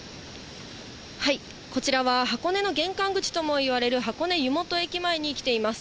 こちらは箱根の玄関口ともいわれる箱根湯本駅前に来ています。